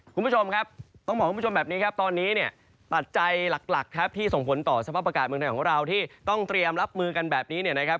คุณผู้ชมครับต้องบอกคุณผู้ชมแบบนี้ครับตอนนี้เนี่ยปัจจัยหลักครับที่ส่งผลต่อสภาพอากาศเมืองไทยของเราที่ต้องเตรียมรับมือกันแบบนี้เนี่ยนะครับ